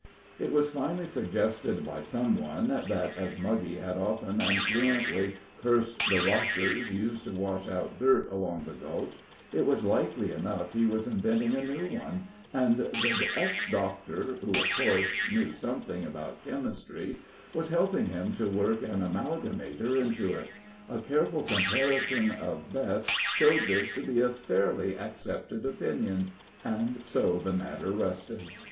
It was finally suggested by some one, that, as Muggy had often and fluently cursed the "rockers" used to wash out dirt along the Gulch, it was likely enough he was inventing a new one, and the ex doctor, who, of course, knew something about chemistry, was helping him to work an amalgamator into it; a careful comparison of bets showed this to be a fairly accepted opinion, and so the matter rested.